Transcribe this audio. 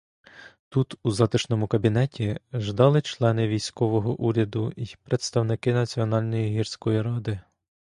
Тут, у затишному кабінеті, ждали члени військового уряду й представники національної гірської ради.